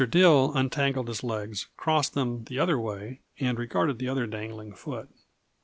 Dill untangled his legs, crossed them the other way and regarded the other dangling foot.